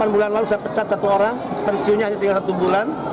delapan bulan lalu saya pecat satu orang pensiunnya hanya tinggal satu bulan